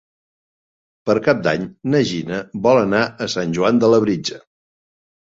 Per Cap d'Any na Gina vol anar a Sant Joan de Labritja.